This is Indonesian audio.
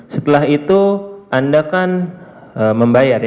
setelah itu anda kan membayar ya